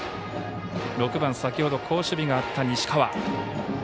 ６番、先ほど好守備があった西川。